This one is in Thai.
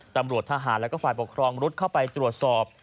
ตำรวจทหารและฝ่ายปกครองรุดเข้าไปตรวจสอบ